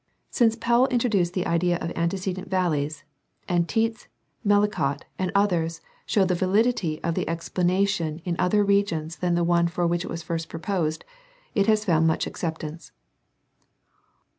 Since Powell introduced the idea of antecedent valleys and ' Tietze, Medlicott and others showed the validity of the explana tion in other regions than the one for which it was first proposed, it has found much acceptance.